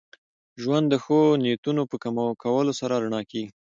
ژوند د ښو نیتونو په کولو سره رڼا کېږي.